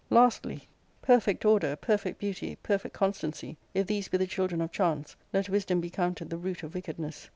Lastly, perfect order, perfect beauty, perfect con stancy, if these be the children of chance, let wisdom Be counted the root of wickedness.